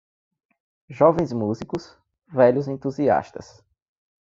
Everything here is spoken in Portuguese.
Jovens músicos, velhos entusiastas.